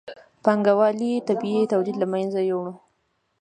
پانګوالۍ طبیعي تولید له منځه یووړ.